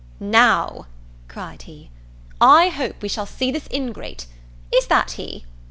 "Now," cried he, "I hope we shall see this ingrate. Is that he?"